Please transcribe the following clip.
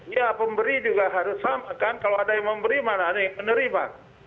ya pemberi juga harus sama kan kalau ada yang memberi mana ada yang menerima